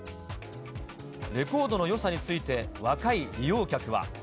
レコードのよさについて、若い利用客は。